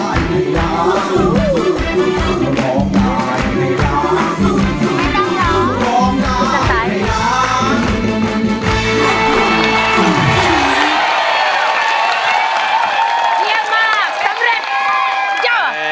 เยี่ยมมาก